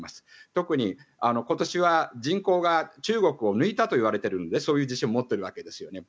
特に今年は人口が中国を抜いたといわれているのでそういう自信を持っているわけですよね。